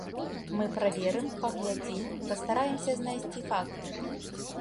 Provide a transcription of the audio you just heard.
Мы праверым, паглядзім, пастараемся знайсці факты.